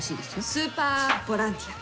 スーパーボランティア。